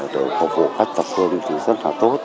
để phục vụ khách tập phương thì rất là tốt